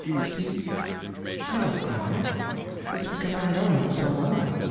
You see I don't cry. It's because I know him so well.